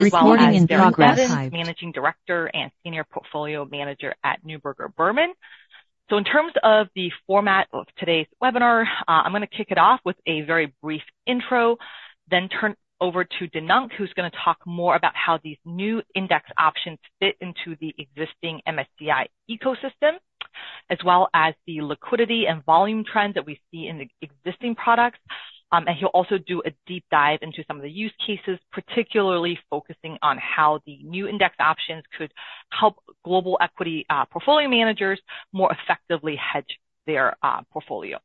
Managing Director and Senior Portfolio Manager at Neuberger Berman. So in terms of the format of today's webinar, I'm gonna kick it off with a very brief intro, then turn over to Dinank, who's gonna talk more about how these new index options fit into the existing MSCI ecosystem, as well as the liquidity and volume trends that we see in the existing products. And he'll also do a deep dive into some of the use cases, particularly focusing on how the new index options could help global equity portfolio managers more effectively hedge their portfolio.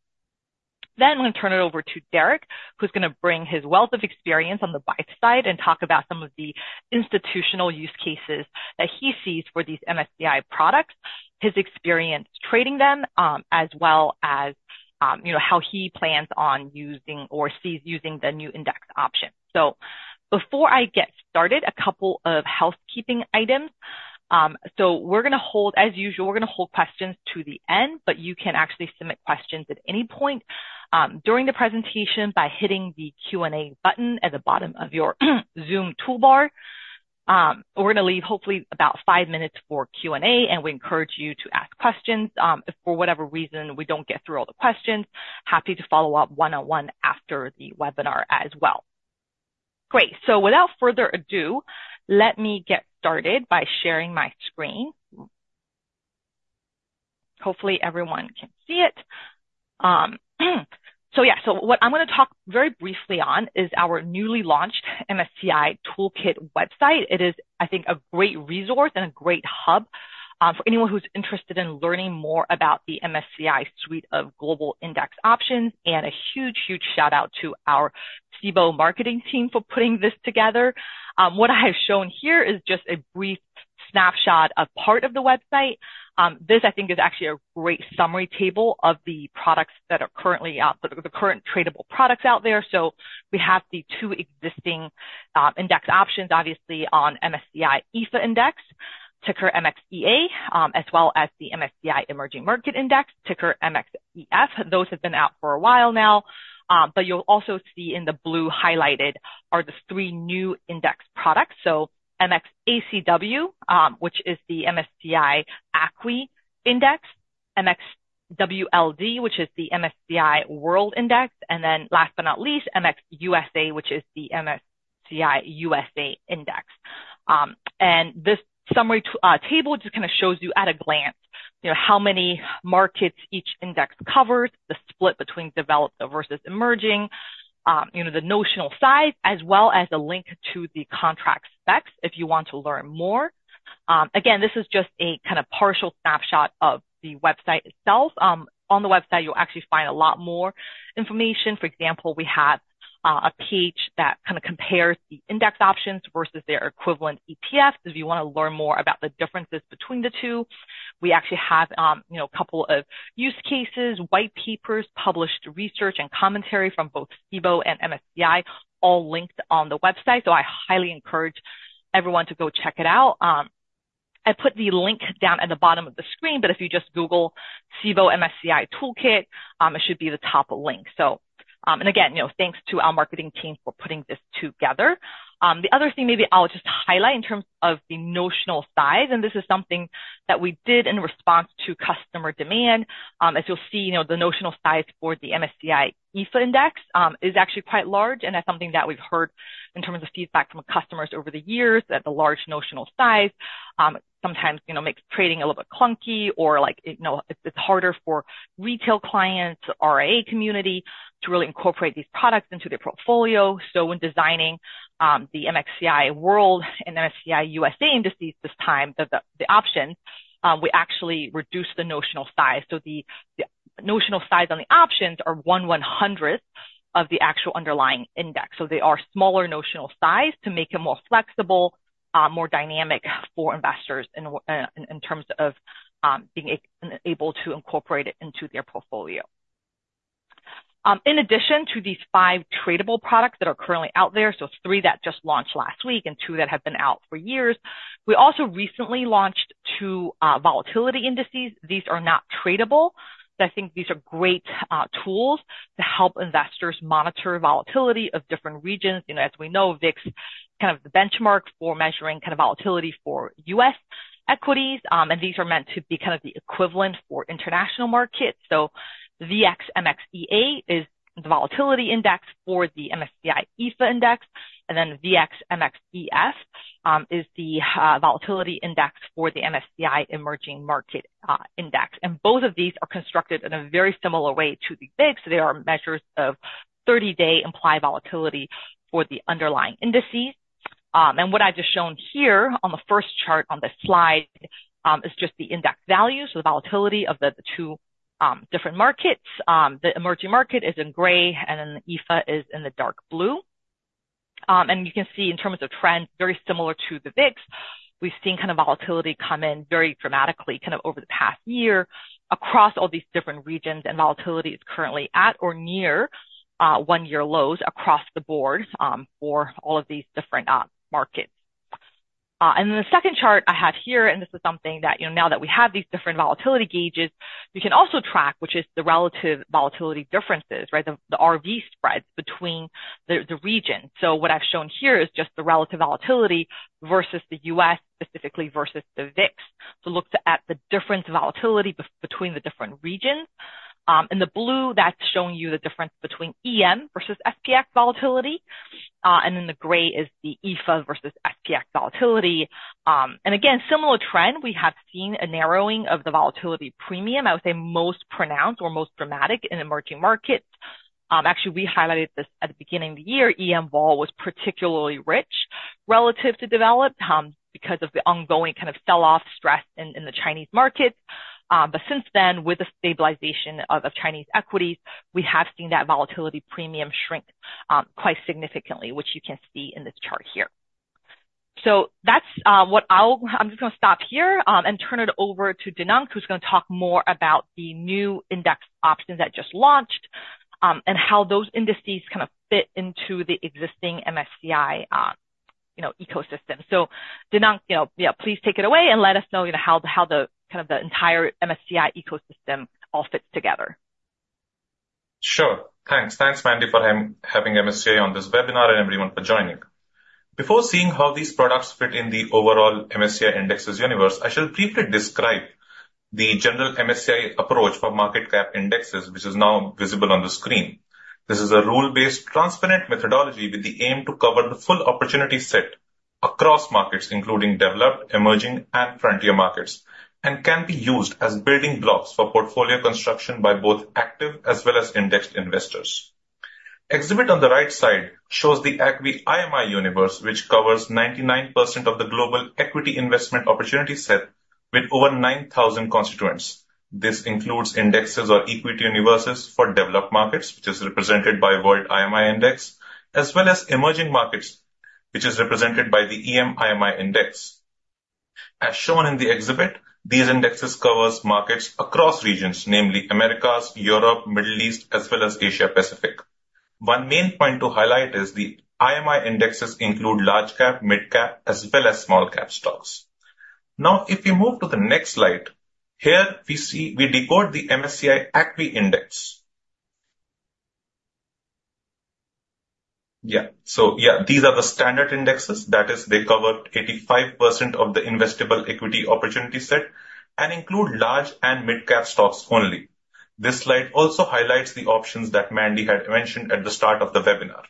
Then I'm gonna turn it over to Derek, who's gonna bring his wealth of experience on the buy side and talk about some of the institutional use cases that he sees for these MSCI products, his experience trading them, as well as, you know, how he plans on using or sees using the new index option. So before I get started, a couple of housekeeping items. So we're gonna hold, as usual, we're gonna hold questions to the end, but you can actually submit questions at any point, during the presentation by hitting the Q&A button at the bottom of your Zoom toolbar. We're gonna leave hopefully about five minutes for Q&A, and we encourage you to ask questions. If for whatever reason we don't get through all the questions, happy to follow up one-on-one after the webinar as well. Great. So without further ado, let me get started by sharing my screen. Hopefully, everyone can see it. So yeah. So what I'm gonna talk very briefly on is our newly launched MSCI Toolkit website. It is, I think, a great resource and a great hub for anyone who's interested in learning more about the MSCI suite of global index options, and a huge, huge shout-out to our Cboe marketing team for putting this together. What I have shown here is just a brief snapshot of part of the website. This, I think, is actually a great summary table of the products that are currently out, the current tradable products out there. So we have the two existing index options, obviously, on MSCI EAFE Index, ticker MXEA, as well as the MSCI Emerging Markets Index, ticker MXEF. Those have been out for a while now, but you'll also see in the blue highlighted are the three new index products. So MXACW, which is the MSCI ACWI Index, MXWLD, which is the MSCI World Index, and then last but not least, MXUSA, which is the MSCI USA Index. And this summary table just kind of shows you at a glance, you know, how many markets each index covers, the split between developed versus emerging, you know, the notional size, as well as a link to the contract specs if you want to learn more. Again, this is just a kind of partial snapshot of the website itself. On the website, you'll actually find a lot more information. For example, we have a page that kind of compares the index options versus their equivalent ETFs, if you want to learn more about the differences between the two. We actually have, you know, a couple of use cases, white papers, published research and commentary from both Cboe and MSCI, all linked on the website, so I highly encourage everyone to go check it out. I put the link down at the bottom of the screen, but if you just Google Cboe MSCI Toolkit, it should be the top link. So, and again, you know, thanks to our marketing team for putting this together. The other thing maybe I'll just highlight in terms of the notional size, and this is something that we did in response to customer demand. As you'll see, you know, the notional size for the MSCI EAFE Index is actually quite large, and that's something that we've heard in terms of feedback from customers over the years, that the large notional size sometimes, you know, makes trading a little bit clunky or like, you know, it's, it's harder for retail clients, RIA community, to really incorporate these products into their portfolio. So when designing the MSCI World and MSCI USA indices this time, the option we actually reduced the notional size. So the notional size on the options are 1/100th of the actual underlying index. So they are smaller notional size to make them more flexible, more dynamic for investors in terms of being able to incorporate it into their portfolio. In addition to these five tradable products that are currently out there, so three that just launched last week and two that have been out for years, we also recently launched two volatility indices. These are not tradable. So I think these are great tools to help investors monitor volatility of different regions. You know, as we know, VIX, kind of the benchmark for measuring kind of volatility for U.S. equities, and these are meant to be kind of the equivalent for international markets. So VXMXEA is the volatility index for the MSCI EAFE Index, and then VXMXEF is the volatility index for the MSCI Emerging Markets Index. And both of these are constructed in a very similar way to the VIX. They are measures of 30-day implied volatility for the underlying indices. What I've just shown here on the first chart on this slide is just the index values, so the volatility of the two different markets. The emerging market is in gray, and then EAFE is in the dark blue. And you can see in terms of trend, very similar to the VIX. We've seen kind of volatility come in very dramatically, kind of over the past year across all these different regions, and volatility is currently at or near one-year lows across the board for all of these different markets. And then the second chart I have here, and this is something that, you know, now that we have these different volatility gauges, we can also track, which is the relative volatility differences, right? The RV spreads between the region. So what I've shown here is just the relative volatility versus the U.S., specifically versus the VIX, to look at the difference in volatility between the different regions. In the blue, that's showing you the difference between EM versus SPX volatility, and then the gray is the EAFE versus SPX volatility. And again, similar trend, we have seen a narrowing of the volatility premium, I would say most pronounced or most dramatic in emerging markets. Actually, we highlighted this at the beginning of the year. EM vol was particularly rich relative to developed, because of the ongoing kind of sell-off stress in the Chinese market. But since then, with the stabilization of Chinese equities, we have seen that volatility premium shrink, quite significantly, which you can see in this chart here. So that's what I'm just gonna stop here, and turn it over to Dinank, who's gonna talk more about the new index options that just launched, and how those indices kind of fit into the existing MSCI, you know, ecosystem. So Dinank, you know, yeah, please take it away, and let us know, you know, how the, how the kind of the entire MSCI ecosystem all fits together. Sure. Thanks. Thanks, Mandy, for having MSCI on this webinar and everyone for joining. Before seeing how these products fit in the overall MSCI indexes universe, I shall briefly describe the general MSCI approach for market cap indexes, which is now visible on the screen. This is a rule-based, transparent methodology with the aim to cover the full opportunity set across markets, including developed, emerging, and frontier markets, and can be used as building blocks for portfolio construction by both active as well as indexed investors. Exhibit on the right side shows the ACWI IMI universe, which covers 99% of the global equity investment opportunity set with over 9,000 constituents. This includes indexes or equity universes for developed markets, which is represented by World IMI Index, as well as emerging markets, which is represented by the EM IMI Index. As shown in the exhibit, these indices cover markets across regions, namely Americas, Europe, Middle East, as well as Asia Pacific. One main point to highlight is the IMI indices include large-cap, mid-cap, as well as small-cap stocks. Now, if we move to the next slide, here, we see we decode the MSCI ACWI Index. Yeah. So yeah, these are the standard indices. That is, they cover 85% of the investable equity opportunity set and include large- and mid-cap stocks only. This slide also highlights the options that Mandy had mentioned at the start of the webinar.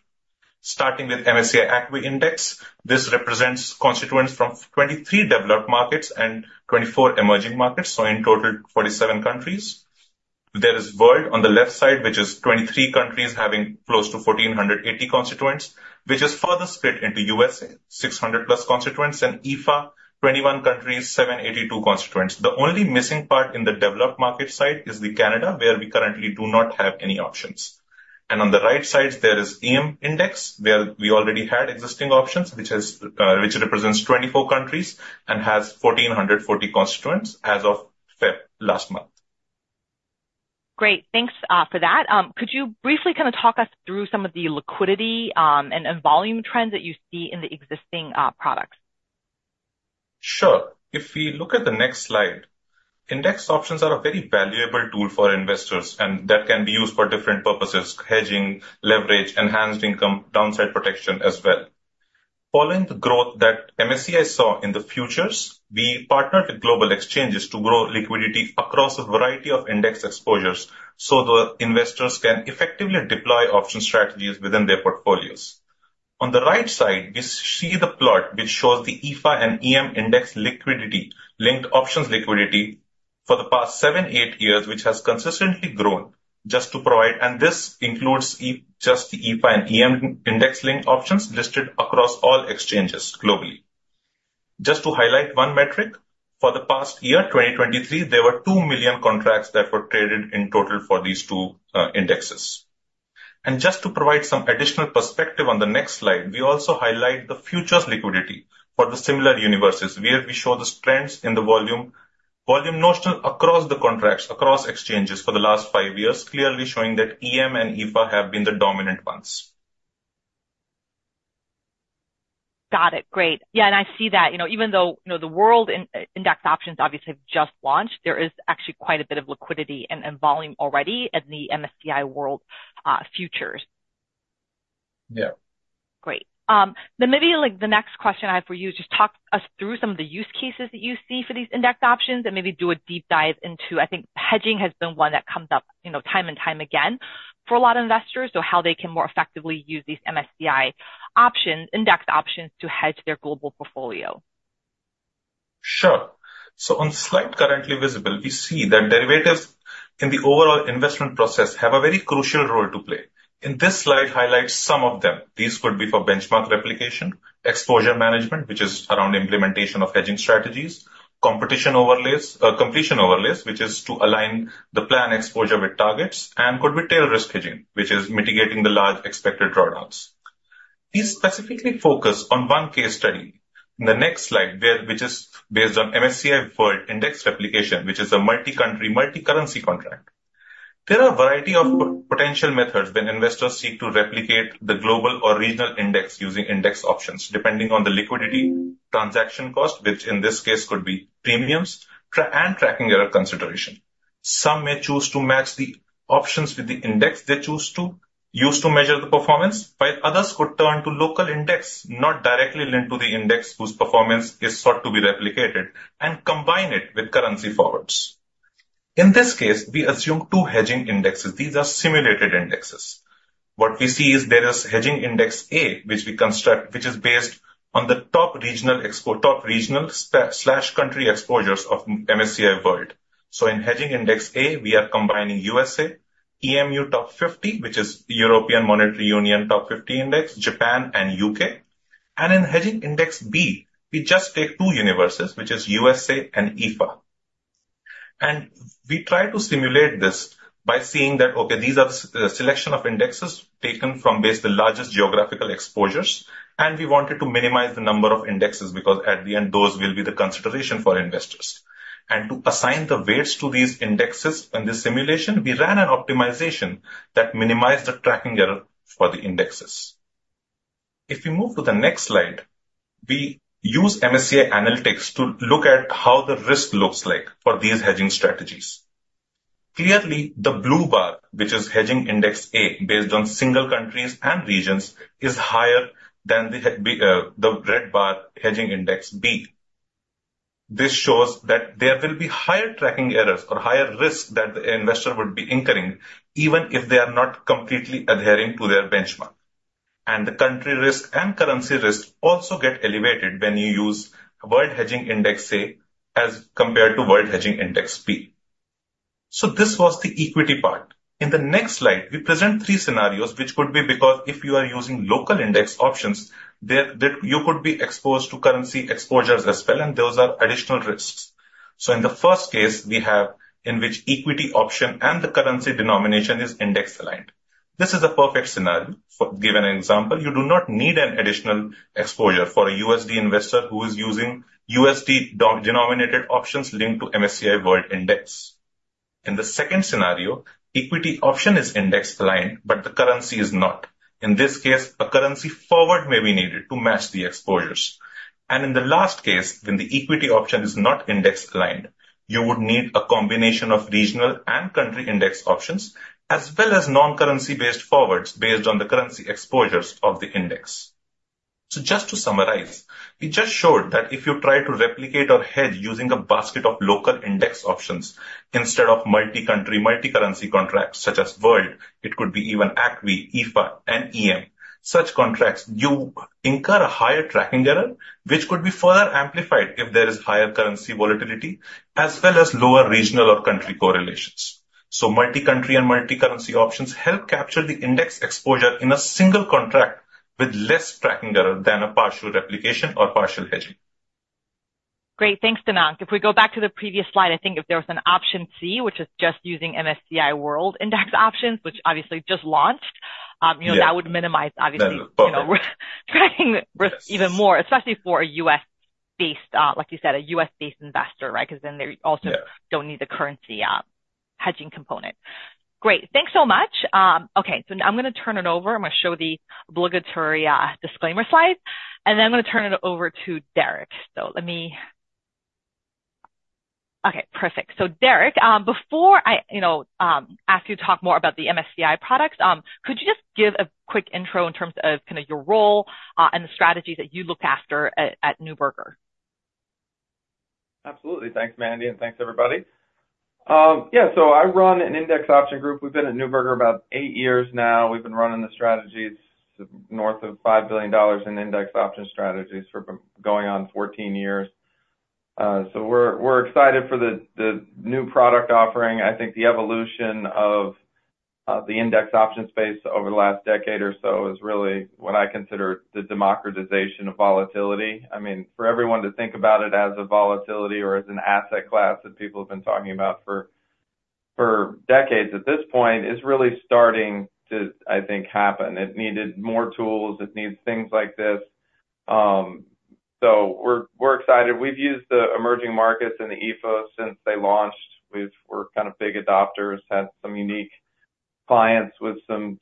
Starting with MSCI ACWI Index, this represents constituents from 23 developed markets and 24 emerging markets, so in total, 47 countries. There is World on the left side, which is 23 countries having close to 1,480 constituents, which is further split into USA, 600+ constituents, and EAFE, 21 countries, 782 constituents. The only missing part in the developed market side is the Canada, where we currently do not have any options. On the right side, there is EM index, where we already had existing options, which is, which represents 24 countries and has 1,440 constituents as of February last month. Great, thanks, for that. Could you briefly kind of talk us through some of the liquidity and volume trends that you see in the existing products? Sure. If we look at the next slide, index options are a very valuable tool for investors, and that can be used for different purposes: hedging, leverage, enhanced income, downside protection as well. Following the growth that MSCI saw in the futures, we partnered with global exchanges to grow liquidity across a variety of index exposures so the investors can effectively deploy option strategies within their portfolios. On the right side, we see the plot, which shows the EAFE and EM index liquidity-linked options liquidity for the past seven, eight years, which has consistently grown just to provide... And this includes just the EAFE and EM index linked options listed across all exchanges globally. Just to highlight one metric, for the past year, 2023, there were 2 million contracts that were traded in total for these two indexes. Just to provide some additional perspective on the next slide, we also highlight the futures liquidity for the similar universes, where we show the trends in the volume, volume notional across the contracts, across exchanges for the last five years, clearly showing that EM and EAFE have been the dominant ones. Got it. Great. Yeah, and I see that, you know, even though, you know, the World Index options obviously have just launched, there is actually quite a bit of liquidity and volume already in the MSCI World futures. Yeah. Great. Then maybe, like, the next question I have for you, just talk us through some of the use cases that you see for these index options, and maybe do a deep dive into... I think hedging has been one that comes up, you know, time and time again for a lot of investors, so how they can more effectively use these MSCI options, index options to hedge their global portfolio. Sure. So on slide currently visible, we see that derivatives in the overall investment process have a very crucial role to play, and this slide highlights some of them. These could be for benchmark replication, exposure management, which is around implementation of hedging strategies, completion overlays, which is to align the plan exposure with targets, and could be tail risk hedging, which is mitigating the large expected drawdowns. These specifically focus on one case study. In the next slide, where, which is based on MSCI World Index replication, which is a multi-country, multi-currency contract. There are a variety of potential methods when investors seek to replicate the global or regional index using index options, depending on the liquidity, transaction cost, which in this case could be premiums, and tracking error consideration. Some may choose to match the options with the index they choose to use to measure the performance, while others could turn to local index, not directly linked to the index, whose performance is sought to be replicated and combine it with currency forwards. In this case, we assume two hedging indexes. These are simulated indexes. What we see is there is Hedging Index A, which we construct, which is based on the top regional/country exposures of MSCI World. So in Hedging Index A, we are combining USA, EMU Top 50, which is European Monetary Union Top 50 Index, Japan and U.K. And in Hedging Index B, we just take two universes, which is USA and EAFE. And we try to simulate this by seeing that, okay, these are the selection of indexes taken from based the largest geographical exposures, and we wanted to minimize the number of indexes, because at the end, those will be the consideration for investors. And to assign the weights to these indexes in this simulation, we ran an optimization that minimized the tracking error for the indexes. If you move to the next slide, we use MSCI analytics to look at how the risk looks like for these hedging strategies. Clearly, the blue bar, which is Hedging Index A, based on single countries and regions, is higher than the red bar, Hedging Index B. This shows that there will be higher tracking errors or higher risks that the investor would be incurring, even if they are not completely adhering to their benchmark. The country risk and currency risk also get elevated when you use World Hedging Index A as compared to World Hedging Index B. So this was the equity part. In the next slide, we present three scenarios, which could be because if you are using local index options, you could be exposed to currency exposures as well, and those are additional risks. So in the first case we have, in which equity option and the currency denomination is index aligned. This is a perfect scenario. For example, you do not need an additional exposure for a USD investor who is using USD-denominated options linked to MSCI World Index. In the second scenario, equity option is index aligned, but the currency is not. In this case, a currency forward may be needed to match the exposures. In the last case, when the equity option is not index aligned, you would need a combination of regional and country index options, as well as non-currency based forwards, based on the currency exposures of the index. So just to summarize, we just showed that if you try to replicate or hedge using a basket of local index options instead of multi-country, multi-currency contracts such as World, it could be even ACWI, EAFE and EM. Such contracts, you incur a higher tracking error, which could be further amplified if there is higher currency volatility as well as lower regional or country correlations. So multi-country and multi-currency options help capture the index exposure in a single contract with less tracking error than a partial replication or partial hedging. Great, thanks, Dinank. If we go back to the previous slide, I think if there was an option C, which is just using MSCI World Index options, which obviously just launched, you know- Yeah. that would minimize, obviously. Yeah. -you know, tracking risk even more, especially for a U.S.-based, like you said, a U.S.-based investor, right? Because then they also- Yeah. -don't need the currency, hedging component. Great, thanks so much. Okay, so now I'm gonna turn it over. I'm gonna show the obligatory, disclaimer slide, and then I'm gonna turn it over to Derek. So let me... Okay, perfect. So Derek, before I, you know, ask you to talk more about the MSCI products, could you just give a quick intro in terms of kind of your role, and the strategies that you look after at, at Neuberger Berman? Absolutely. Thanks, Mandy, and thanks, everybody. Yeah, so I run an index option group. We've been at Neuberger about eight years now. We've been running the strategies north of $5 billion in index option strategies for going on 14 years. So we're, we're excited for the, the new product offering. I think the evolution of, the index option space over the last decade or so is really what I consider the democratization of volatility. I mean, for everyone to think about it as a volatility or as an asset class that people have been talking about for, for decades at this point, is really starting to, I think, happen. It needed more tools, it needs things like this. So we're, we're excited. We've used the emerging markets in the EAFE since they launched. We're kind of big adopters, had some unique clients with some,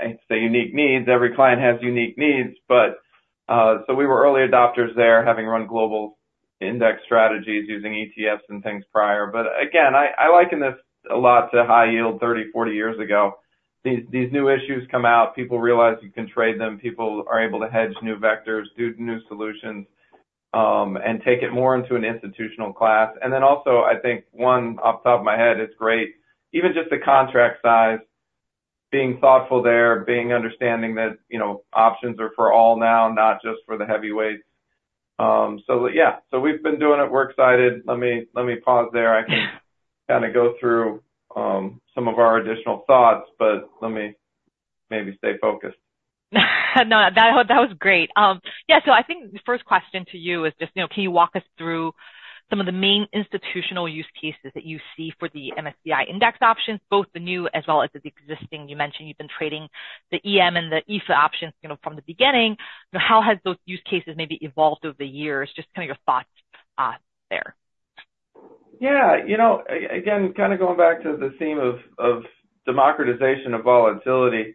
I'd say, unique needs. Every client has unique needs, but so we were early adopters there, having run global index strategies using ETFs and things prior. But again, I liken this a lot to high yield thirty, forty years ago. These new issues come out, people realize you can trade them, people are able to hedge new vectors, do new solutions, and take it more into an institutional class. And then also, I think, one off the top of my head, it's great, even just the contract size, being thoughtful there, being understanding that, you know, options are for all now, not just for the heavyweights. So yeah, so we've been doing it. We're excited. Let me pause there. I can kind of go through some of our additional thoughts, but let me maybe stay focused. No, that was great. Yeah, so I think the first question to you is just, you know, can you walk us through some of the main institutional use cases that you see for the MSCI index options, both the new as well as the existing? You mentioned you've been trading the EM and the EAFE options, you know, from the beginning. How have those use cases maybe evolved over the years? Just kind of your thoughts... there? Yeah, you know, again, kind of going back to the theme of, of democratization of volatility,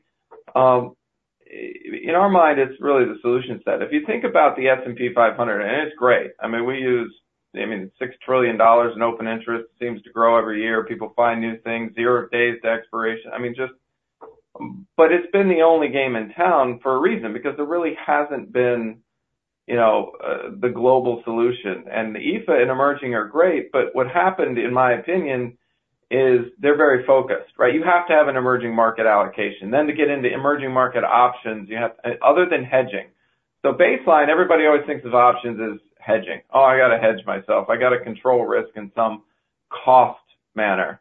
in our mind, it's really the solution set. If you think about the S&P 500, and it's great, I mean, we use, I mean, $6 trillion in open interest, seems to grow every year. People find new things, zero days to expiration. I mean, just. But it's been the only game in town for a reason, because there really hasn't been, you know, the global solution. And the EFA and Emerging are great, but what happened, in my opinion, is they're very focused, right? You have to have an emerging market allocation. Then to get into emerging market options, you have-- other than hedging. So baseline, everybody always thinks of options as hedging. Oh, I got to hedge myself. I got to control risk in some cost manner.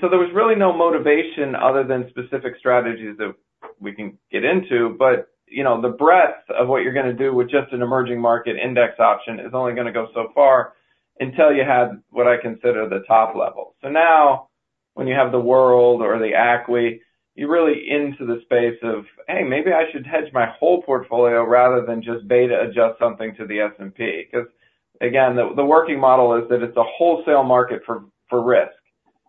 So there was really no motivation other than specific strategies that we can get into. But, you know, the breadth of what you're gonna do with just an emerging market index option is only gonna go so far until you had what I consider the top level. So now, when you have the world or the ACWI, you're really into the space of, "Hey, maybe I should hedge my whole portfolio rather than just beta adjust something to the S&P." Because, again, the working model is that it's a wholesale market for risk.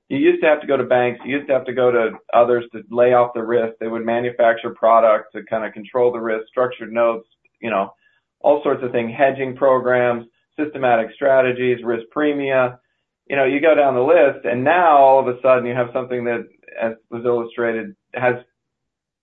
You used to have to go to banks, you used to have to go to others to lay off the risk. They would manufacture products to kind of control the risk, structured notes, you know, all sorts of things, hedging programs, systematic strategies, risk premia. You know, you go down the list, and now, all of a sudden, you have something that, as was illustrated, has,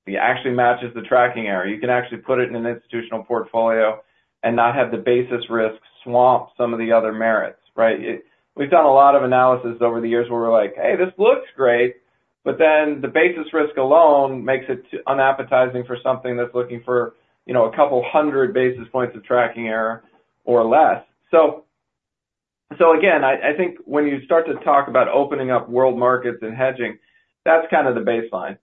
it actually matches the tracking error. You can actually put it in an institutional portfolio and not have the basis risk swamp some of the other merits, right? We've done a lot of analysis over the years where we're like, "Hey, this looks great," but then the basis risk alone makes it unappetizing for something that's looking for, you know, a couple hundred basis points of tracking error or less. So, so again, I, I think when you start to talk about opening up world markets and hedging, that's kind of the baseline.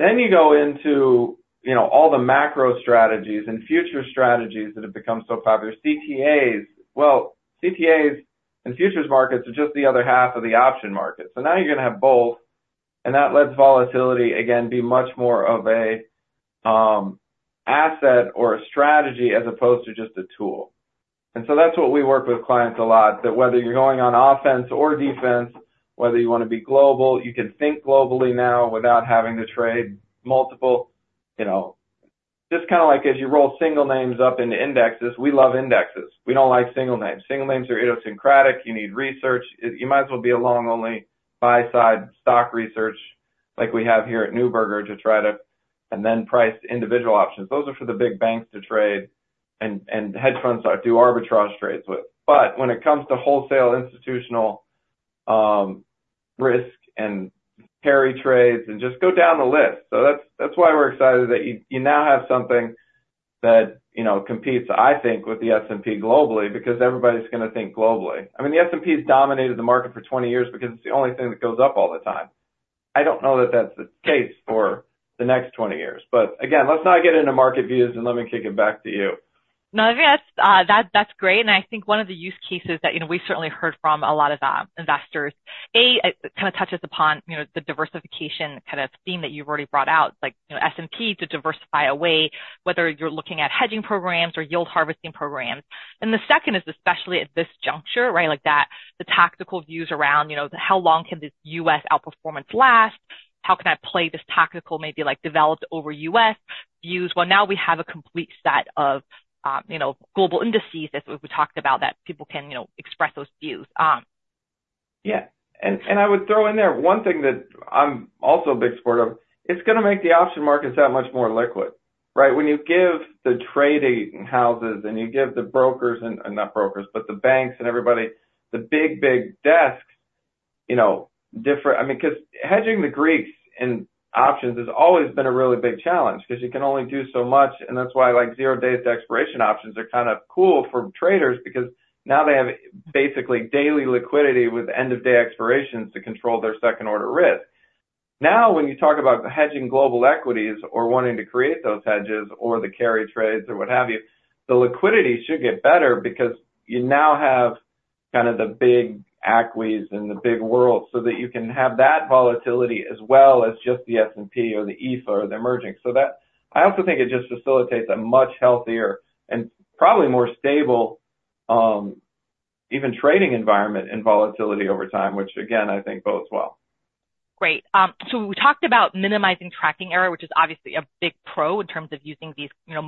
Then you go into, you know, all the macro strategies and future strategies that have become so popular. CTAs, well, CTAs and futures markets are just the other half of the option market. So now you're going to have both, and that lets volatility, again, be much more of a asset or a strategy as opposed to just a tool. So that's what we work with clients a lot, that whether you're going on offense or defense, whether you want to be global, you can think globally now without having to trade multiple, you know. Just kind of like as you roll single names up into indexes. We love indexes. We don't like single names. Single names are idiosyncratic. You need research. You might as well be a long-only buy-side stock research, like we have here at Neuberger, to try to and then price individual options. Those are for the big banks to trade and hedge funds do arbitrage trades with. But when it comes to wholesale institutional risk and carry trades and just go down the list. So that's, that's why we're excited that you, you now have something that, you know, competes, I think, with the S&P globally, because everybody's gonna think globally. I mean, the S&P has dominated the market for 20 years because it's the only thing that goes up all the time. I don't know that that's the case for the next 20 years. But again, let's not get into market views, and let me kick it back to you. No, I think that's, that, that's great, and I think one of the use cases that, you know, we certainly heard from a lot of investors, A, it kind of touches upon, you know, the diversification kind of theme that you've already brought out, like, you know, S&P to diversify away, whether you're looking at hedging programs or yield harvesting programs. And the second is, especially at this juncture, right, like that, the tactical views around, you know, how long can this U.S. outperformance last? How can I play this tactical, maybe, like, developed over U.S. views? Well, now we have a complete set of, you know, global indices, as we talked about, that people can, you know, express those views. Yeah. And I would throw in there, one thing that I'm also a big supporter of, it's gonna make the option markets that much more liquid, right? When you give the trading houses and you give the brokers and- not brokers, but the banks and everybody, the big, big desks, you know, different... I mean, because hedging the Greeks in options has always been a really big challenge because you can only do so much, and that's why, like, zero days to expiration options are kind of cool for traders, because now they have basically daily liquidity with end-of-day expirations to control their second order risk. Now, when you talk about hedging global equities or wanting to create those hedges or the carry trades or what have you, the liquidity should get better because you now have kind of the big ACWI's and the big world's, so that you can have that volatility as well as just the S&P or the EAFE or the emerging. So that, I also think it just facilitates a much healthier and probably more stable, even trading environment and volatility over time, which, again, I think bodes well. Great. So we talked about minimizing tracking error, which is obviously a big pro in terms of using these, you know,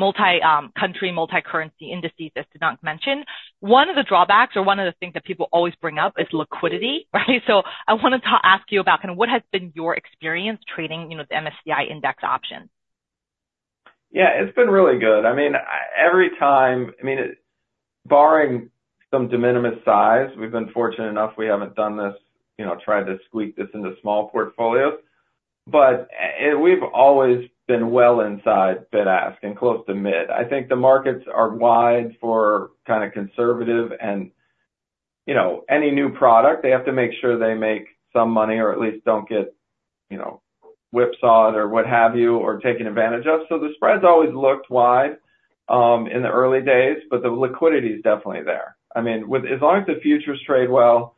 multi-multi, country, multicurrency indices, as Dinank mentioned. One of the drawbacks or one of the things that people always bring up is liquidity, right? So I wanted to ask you about kind of what has been your experience trading, you know, the MSCI index option? Yeah, it's been really good. I mean, every time, I mean, barring some de minimis size, we've been fortunate enough, we haven't done this, you know, tried to squeak this into small portfolios, but and we've always been well inside bid-ask and close to mid. I think the markets are wide for kind of conservative and, you know, any new product, they have to make sure they make some money or at least don't get, you know, whipsawed or what have you, or taken advantage of. So the spreads always looked wide in the early days, but the liquidity is definitely there. I mean, as long as the futures trade well,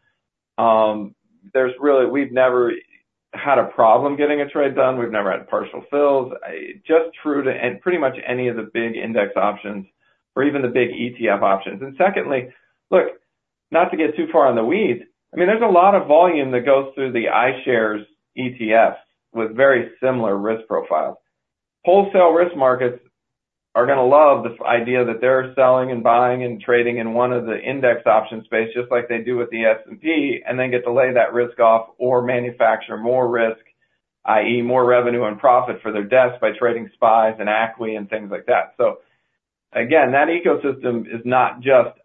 there's really we've never had a problem getting a trade done. We've never had partial fills. Just true to, and pretty much any of the big index options or even the big ETF options. And secondly, look, not to get too far in the weeds, I mean, there's a lot of volume that goes through the iShares ETFs with very similar risk profiles. Wholesale risk markets are gonna love this idea that they're selling and buying and trading in the index options space, just like they do with the S&P, and then get to lay that risk off or manufacture more risk, i.e., more revenue and profit for their desks by trading SPYs and ACWI and things like that. So again, that ecosystem is not just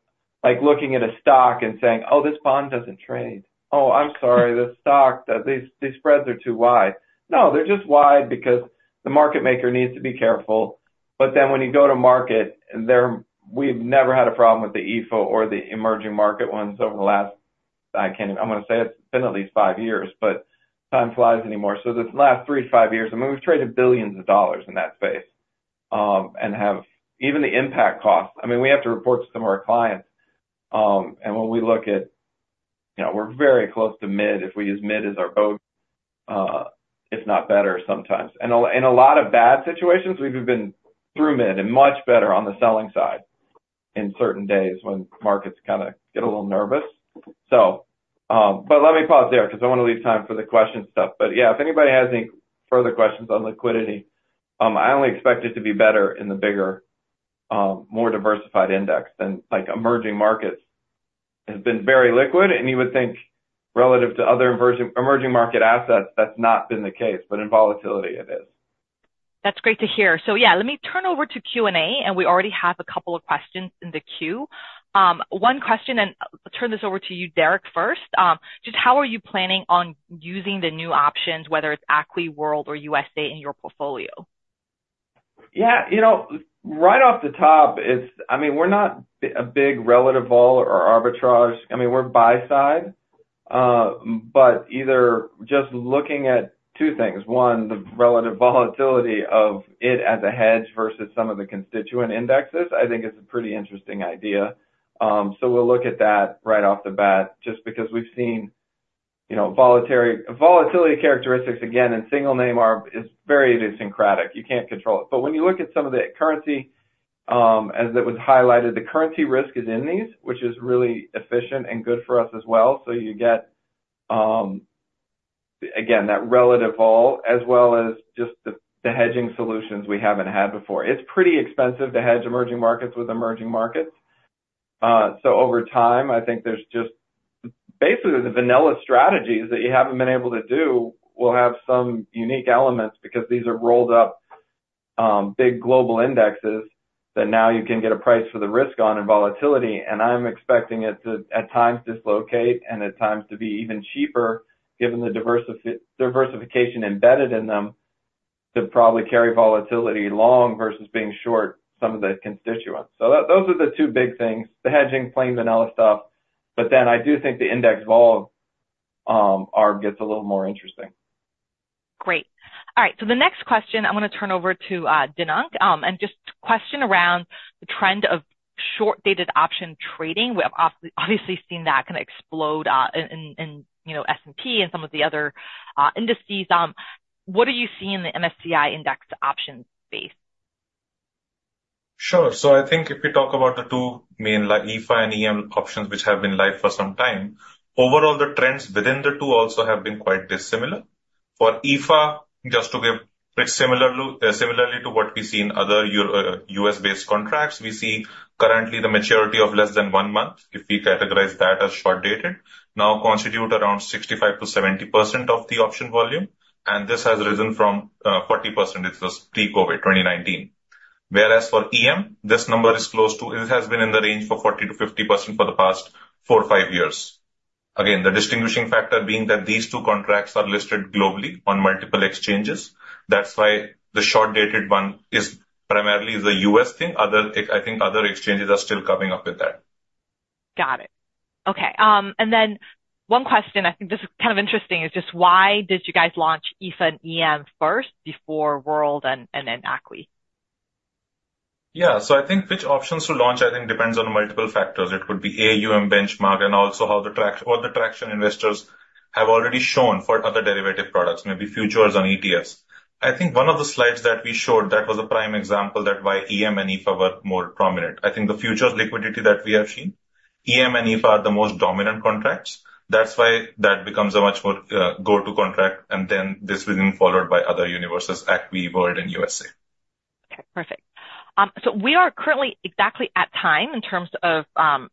like looking at a stock and saying, "Oh, this bond doesn't trade. Oh, I'm sorry, this stock, these, these spreads are too wide." No, they're just wide because the market maker needs to be careful, but then when you go to market, there we've never had a problem with the EFA or the emerging market ones over the last, I can't even... I'm gonna say it's been at least 5 years, but time flies anymore. So this last three to five years, I mean, we've traded $ billions in that space, and have even the impact costs. I mean, we have to report to some of our clients, and when we look at, you know, we're very close to mid, if we use mid as our boat, if not better sometimes. A lot of bad situations, we've been through many and much better on the selling side in certain days when markets kind of get a little nervous. So, but let me pause there because I want to leave time for the question stuff. But yeah, if anybody has any further questions on liquidity, I only expect it to be better in the bigger, more diversified index than like emerging markets. It has been very liquid, and you would think relative to other emerging market assets, that's not been the case, but in volatility, it is. That's great to hear. So yeah, let me turn over to Q&A, and we already have a couple of questions in the queue. One question, and turn this over to you, Derek, first. Just how are you planning on using the new options, whether it's ACWI, World, or USA, in your portfolio? Yeah, you know, right off the top, it's... I mean, we're not a big relative vol or arbitrage. I mean, we're buy side, but either just looking at two things: one, the relative volatility of it as a hedge versus some of the constituent indexes, I think is a pretty interesting idea. So we'll look at that right off the bat, just because we've seen, you know, volatility characteristics, again, in single name arm is very idiosyncratic. You can't control it. But when you look at some of the currency, as it was highlighted, the currency risk is in these, which is really efficient and good for us as well. So you get, again, that relative vol, as well as just the hedging solutions we haven't had before. It's pretty expensive to hedge emerging markets with emerging markets. So over time, I think there's just... Basically, the vanilla strategies that you haven't been able to do will have some unique elements because these are rolled up big global indexes that now you can get a price for the risk on and volatility, and I'm expecting it to, at times, dislocate and at times to be even cheaper, given the diversification embedded in them to probably carry volatility long versus being short some of the constituents. So those are the two big things, the hedging, plain vanilla stuff, but then I do think the index vol arm gets a little more interesting. Great. All right, so the next question, I'm gonna turn over to Dinank, and just question around the trend of short-dated option trading. We have obviously, obviously seen that kind of explode in, in, you know, S&P and some of the other indices. What do you see in the MSCI index options space? Sure. So I think if we talk about the two main, like, EFA and EM options, which have been live for some time, overall, the trends within the two also have been quite dissimilar. For EFA, just to give a pretty similar look, similarly to what we see in other U.S.-based contracts, we see currently the maturity of less than one month, if we categorize that as short-dated, now constitute around 65%-70% of the option volume, and this has risen from 40%, it was pre-COVID, 2019. Whereas for EM, this number is close to... It has been in the range of 40%-50% for the past four or five years. Again, the distinguishing factor being that these two contracts are listed globally on multiple exchanges. That's why the short-dated one is primarily the U.S. thing. I think other exchanges are still coming up with that. Got it. Okay, and then one question, I think this is kind of interesting, is just why did you guys launch EFA and EM first before World and then ACWI? Yeah, so I think which options to launch, I think, depends on multiple factors. It could be AUM benchmark and also how the traction investors have already shown for other derivative products, maybe futures on ETFs. I think one of the slides that we showed, that was a prime example that why EM and EFA were more prominent. I think the futures liquidity that we have seen, EM and EFA are the most dominant contracts. That's why that becomes a much more go-to contract, and then this will be followed by other universes, ACWI, World, and USA. Okay, perfect. So we are currently exactly at time in terms of, you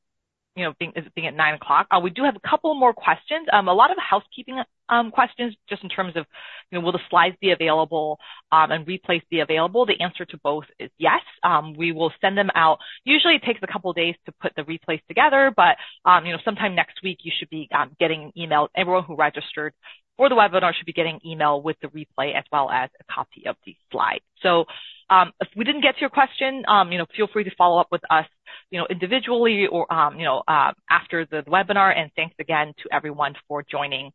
know, being, this being at 9:00 A.M. We do have a couple more questions. A lot of the housekeeping questions, just in terms of, you know, will the slides be available, and replays be available? The answer to both is yes. We will send them out. Usually, it takes a couple of days to put the replays together, but, you know, sometime next week, you should be, getting an email. Everyone who registered for the webinar should be getting an email with the replay as well as a copy of the slide. So, if we didn't get to your question, you know, feel free to follow up with us, you know, individually or, you know, after the webinar. Thanks again to everyone for joining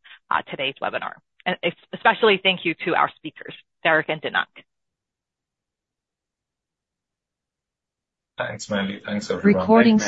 today's webinar. And especially thank you to our speakers, Derek and Dinank. Thanks, Mandy. Thanks, everyone.